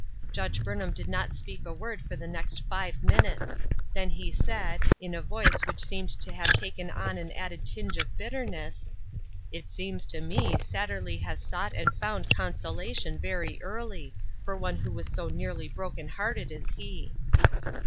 Judge Burnham did not speak a word for the next five minutes ; then he said, in a voice which seemed to have taken on an added tinge of bitterness, " It seems to me Satterley has sought and found consola tion very early, for one who was so nearly broken hearted as he."